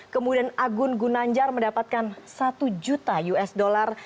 kemudian agun gunanjar mendapatkan satu juta us dollar